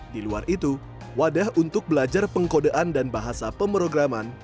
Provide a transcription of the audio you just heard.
di luar itu wadah untuk belajar pengkodean dan bahasa pemrograman